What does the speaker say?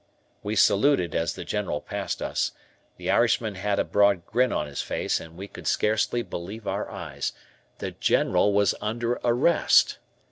We saluted as the General passed us. The Irishman had a broad grin on his face and we could scarcely believe our eyes the General was under arrest.